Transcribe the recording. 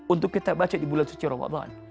untuk kita baca di bulan suci ramadan